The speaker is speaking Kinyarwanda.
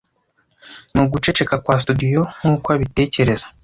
Mu guceceka kwa studio nkuko abitekereza